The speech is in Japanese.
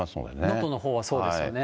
能登のほうはそうですよね。